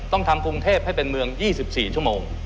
ต้องทำกรุงเทพให้เป็นเมือง๒๔ชั่วโมง